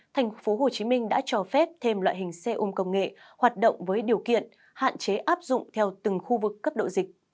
tp hcm đã cho phép thêm loại hình xe ôm công nghệ hoạt động với điều kiện hạn chế áp dụng theo từng khu vực cấp độ dịch